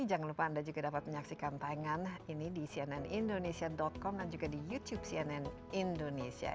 jangan lupa anda juga dapat menyaksikan tayangan ini di cnnindonesia com dan juga di youtube cnn indonesia